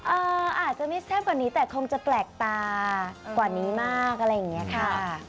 อาจจะไม่แซ่บกว่านี้แต่คงจะแปลกตากว่านี้มากอะไรอย่างนี้ค่ะ